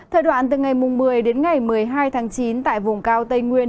thời đoạn từ ngày một mươi đến ngày một mươi hai tháng chín tại vùng cao tây nguyên